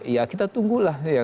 ya kita tunggulah ya